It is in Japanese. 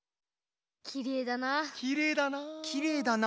きれいだなあ。